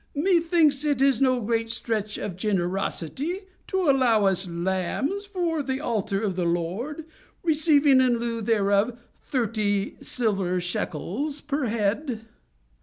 Methinks it is no great stretch of generosity to allow us lambs for the altar of the Lord, receiving in lieu thereof thirty silver shekels per head!"